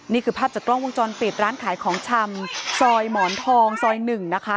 นี่คือภาพจากกล้องวงจรปิดร้านขายของชำซอยหมอนทองซอย๑นะคะ